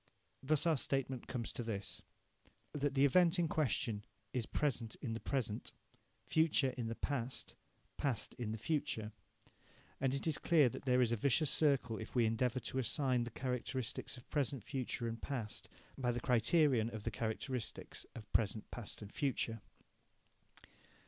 Thus our statement comes to this that the event in question is present in the present, future in the past, past in the future. And it is clear that there is a vicious circle if we endeavour to assign the characteristics of present, future and past by the criterion of the characteristics of present, past and future.